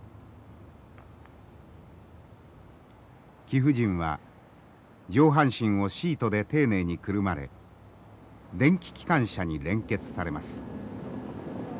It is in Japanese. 貴婦人は上半身をシートで丁寧にくるまれ電気機関車に連結されます。